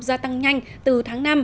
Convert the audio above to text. gia tăng nhanh từ tháng năm